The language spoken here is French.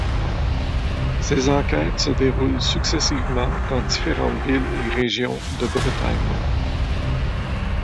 Ses enquêtes se déroulent successivement dans différentes villes et régions de Bretagne.